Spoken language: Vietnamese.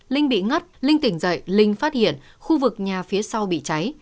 linh bị ngất linh tỉnh dậy linh phát hiện khu vực nhà phía sau bị cháy